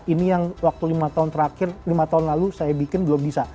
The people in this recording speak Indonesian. ini yang waktu lima tahun terakhir lima tahun lalu saya bikin belum bisa